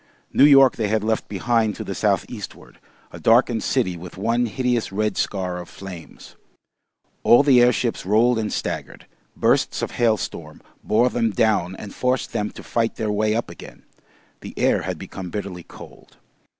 New York they had left behind to the south eastward, a darkened city with one hideous red scar of flames. All the airships rolled and staggered, bursts of hailstorm bore them down and forced them to fight their way up again; the air had become bitterly cold.